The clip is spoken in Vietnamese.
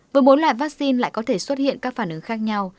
với bốn loại vaccine lại có thể xuất hiện các phản ứng khác nhau